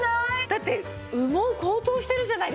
だって羽毛高騰してるじゃないですか。